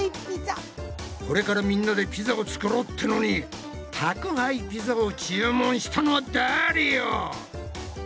これからみんなでピザを作ろうってのに宅配ピザを注文したのは誰よ！？